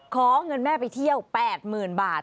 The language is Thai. ขอเงินแม่ไปเที่ยว๘๐๐๐บาท